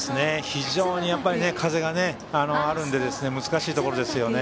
非常に風があるので難しいところですよね。